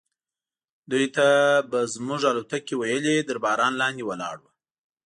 دوی ته به موږ الوتکې ویلې، تر باران لاندې ولاړ و.